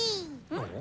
うん？